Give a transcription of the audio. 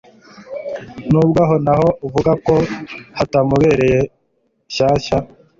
nubwo aho naho avuga ko hatamubereye shyashya